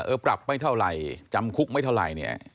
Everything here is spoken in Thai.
เออปรับไม่เท่าไหร่จำคุกไม่เท่าไหร่